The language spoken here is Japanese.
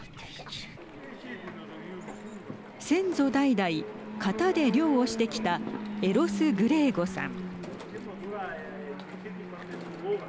先祖代々、潟で漁をしてきたエロス・グレーゴさん。